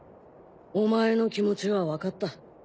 お前の気持ちはわかった。